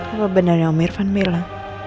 apa benarnya om irfan bilang